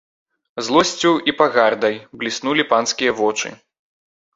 Злосцю і пагардай бліснулі панскія вочы.